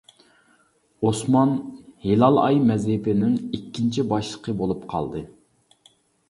ئوسمان «ھىلال ئاي» مەزھىپىنىڭ ئىككىنچى باشلىقى بولۇپ قالدى.